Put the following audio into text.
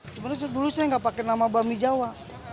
sebenarnya dulu saya nggak pakai nama bakmi jawa